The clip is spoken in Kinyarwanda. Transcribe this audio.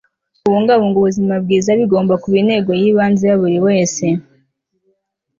kubungabunga ubuzima bwiza bigomba kuba intego y'ibanze ya buri wese